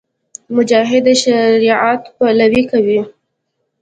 مجاهد د شریعت پلوۍ کوي.